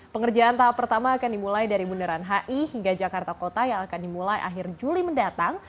pengerjaan tahap pertama akan dimulai dari bundaran hi hingga jakarta kota yang akan dimulai akhir juli mendatang